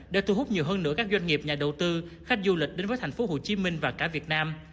để thu hút nhiều hơn nữa các doanh nghiệp nhà đầu tư khách du lịch đến với thành phố hồ chí minh và cả việt nam